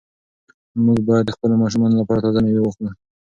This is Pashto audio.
موږ باید د خپلو ماشومانو لپاره تازه مېوې واخلو.